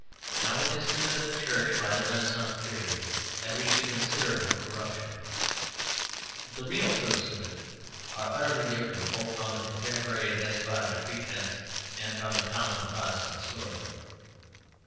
Now it is true that the Church, by the Renascence period, had reached a considerable corruption; but the real proofs of it are utterly different both from the contemporary despotic pretence and from the common Protestant story.